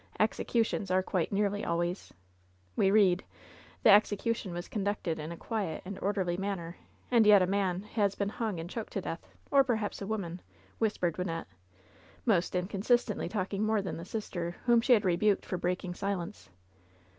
Executions are quiet nearly always. We read, ^The execution was conducted in a quiet and orderly manner,' and yet a man has been hung and choked to death, or perhaps a woman," whis pered Wynnette, most inconsistently talking more than the sister whom she had rebuked for breaking silence.